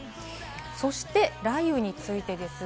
そして雷雨についてです。